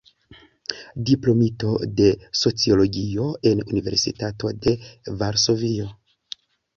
Diplomito de sociologio en Universitato de Varsovio.